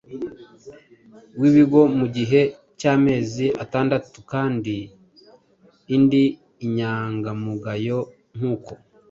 wibigo mu gihe cy’amezi atandatu kandi ndi inyangamugayo nk’uko